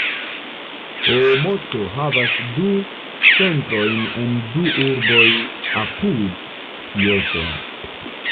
Oomoto havas du centrojn en du urboj apud Kioto.